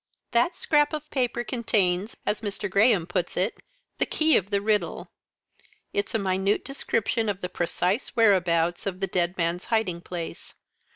"That scrap of paper contains, as Mr. Graham puts it, the key of the riddle. It's a minute description of the precise whereabouts of the dead man's hiding place.